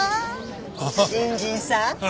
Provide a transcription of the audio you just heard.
新人さん？